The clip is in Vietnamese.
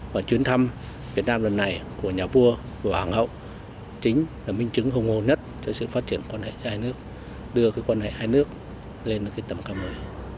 và chuyến thăm việt nam lần này của nhà vua và hoàng hậu chính là minh chứng hùng hồn nhất cho sự phát triển quan hệ giữa hai nước đưa quan hệ hai nước lên tầm cao một mươi